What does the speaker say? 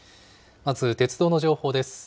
まず鉄道の情報です。